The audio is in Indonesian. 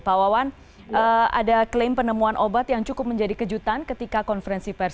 pak wawan ada klaim penemuan obat yang cukup menjadi kejutan ketika konferensi pers